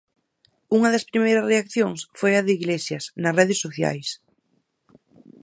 Unha das primeiras reaccións foi a de Iglesias, nas redes sociais.